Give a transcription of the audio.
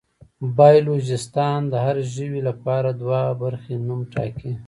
بایولوژېسټان د هر ژوي لپاره دوه برخې نوم ټاکي.